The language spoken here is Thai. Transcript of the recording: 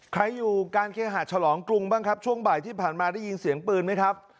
ใครอยู่การเคหาฉลองกรุงบ้างครับช่วงบ่ายที่ผ่านมาได้ยินเสียงปืนไหมครับ